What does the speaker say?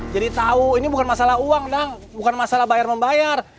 jadi tahu ini bukan masalah uang dang bukan masalah bayar membayar